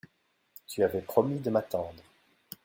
Tu avais promis de m’attendre.